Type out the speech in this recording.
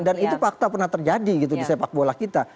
dan itu fakta pernah terjadi gitu di sepak bola kita